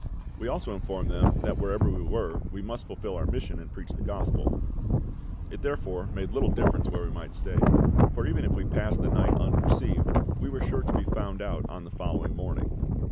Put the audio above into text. We also informed them that wherever we were we must fulfil our mission, and preach the Gospel; it therefore made but little difference where we might stay, for even if we passed the night unperceived, we were sure to be found out on the following morning.